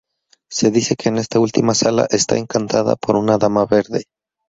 Se dice que en esta última sala está encantada por una dama verde.